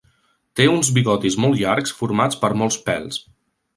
Té uns bigotis molt llargs formats per molts pèls.